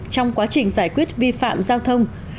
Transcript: trong quá trình giải quyết vi phạm giao thông